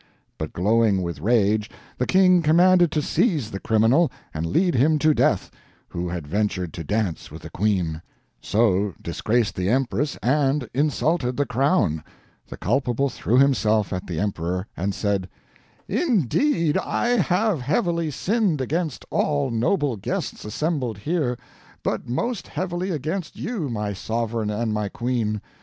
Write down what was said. But glowing with rage, the King commanded to seize the criminal and lead him to death, who had ventured to dance, with the queen; so disgraced the Empress, and insulted the crown. The culpable threw himself at the Emperor, and said "'Indeed I have heavily sinned against all noble guests assembled here, but most heavily against you my sovereign and my queen.